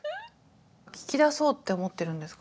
聞き出そうって思ってるんですか？